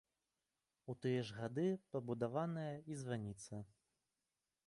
У тыя ж гады пабудаваная і званіца.